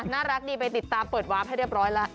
น่ารักดีไปติดตามเปิดวาร์ฟให้เรียบร้อยแล้ว